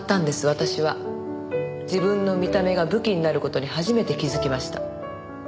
私は自分の見た目が武器になる事に初めて気づきました。